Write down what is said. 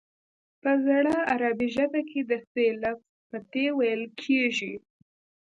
په زړه عربي ژبه کې د ث لفظ په ت ویل کېږي